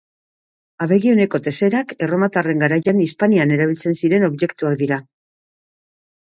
Abegi oneko teserak Erromatarren garaian Hispanian erabili ziren objektuak dira